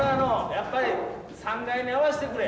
やっぱり３階に合わせてくれ。